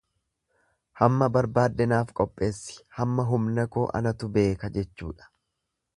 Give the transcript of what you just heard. Hamma barbaadde naaf qopheessi hamma humna koo anatu beekaa jechuudha.